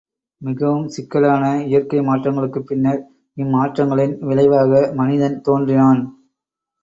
மிகவும் சிக்கலான இயற்கை மாற்றங்களுக்குப் பின்னர், இம்மாற்றங்களின் விளைவாக மனிதன் தோன்றினான்.